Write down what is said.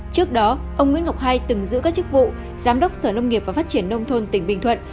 trước đó ông nguyễn ngọc hai từng giữ các chức vụ giám đốc sở nông nghiệp và phát triển nông thôn tỉnh bình thuận